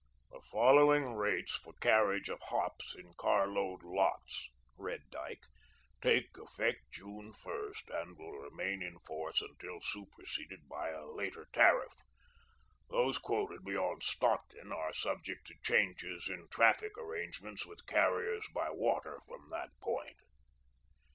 "The following rates for carriage of hops in car load lots," read Dyke, "take effect June 1, and will remain in force until superseded by a later tariff. Those quoted beyond Stockton are subject to changes in traffic arrangements with carriers by water from that point."